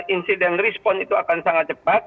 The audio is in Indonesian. insident respon itu akan sangat cepat